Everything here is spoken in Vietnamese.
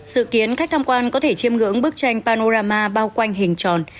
dự kiến khách tham quan có thể chiêm ngưỡng bức tranh panorama bao quanh hình tròn